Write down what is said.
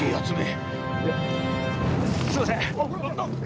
すみません！